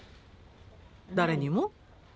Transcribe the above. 誰にも？